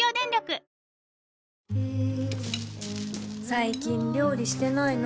最近料理してないの？